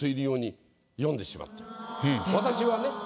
私はね。